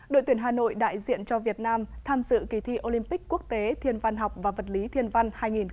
đội tuyển hà nội đại diện cho việt nam tham dự kỳ thi olympic quốc tế thiên văn học và vật lý thiên văn hai nghìn hai mươi